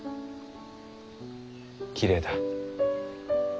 きれいだ。